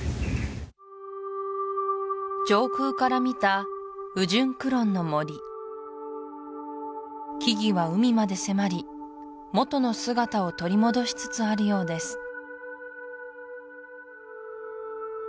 上空から見たウジュンクロンの森木々は海まで迫りもとの姿を取り戻しつつあるようです